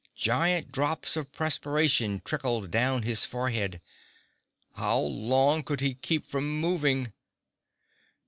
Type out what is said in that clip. Giant drops of perspiration trickled down his forehead. How long could he keep from moving?